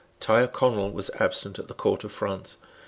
Tyrconnel was absent at the Court of France.